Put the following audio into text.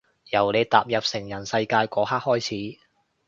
由你踏入成人世界嗰刻開始